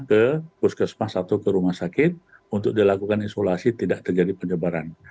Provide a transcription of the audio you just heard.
ke puskesmas atau ke rumah sakit untuk dilakukan isolasi tidak terjadi penyebaran